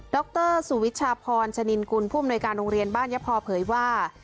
รสุวิชาพรชนินกุลผู้อำนวยการโรงเรียนบ้านยะพอเผยว่า